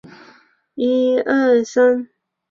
长期在杨宝森剧团做副生。